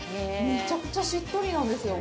めちゃくちゃしっとりなんですよ。